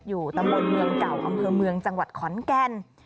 ตำบลเมืองเก่าอำเภอเมืองจังหวัดขอนแก่น